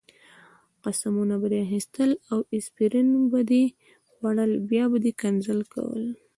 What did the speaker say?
قسمونه به دې اخیستل او اسپرین به دې خوړل، بیا به دې ښکنځل کول.